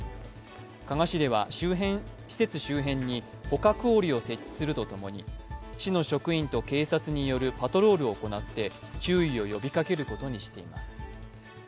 加賀市では施設周辺に捕獲おりを設置するとともに市の職員と警察によるパトロールを行って注意を呼びかけることにしています。